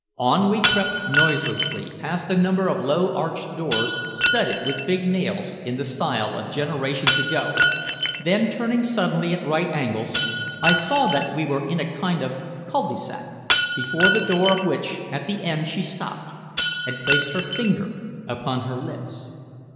On we crept noiselessly past a number of low arched doors studded with big nails in the style of generations ago, then turning suddenly at right angles, I saw that we were in a kind of cul de sac, before the door of which at the end she stopped and placed her finger upon her lips.